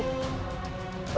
raden walah sung sang